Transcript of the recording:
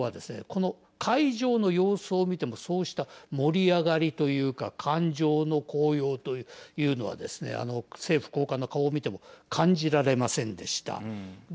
この会場の様子を見てもそうした盛り上がりというか感情の高揚というのはですね政府高官の顔を見ても感じられませんでした。